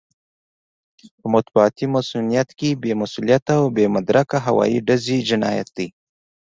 په مطبوعاتي مصؤنيت کې بې مسووليته او بې مدرکه هوايي ډزې جنايت دی.